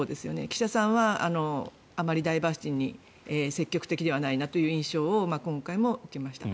岸田さんはあまりダイバーシティーに積極的ではないなという印象を今回も受けました。